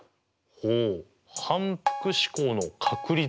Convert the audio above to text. ほう反復試行の確率？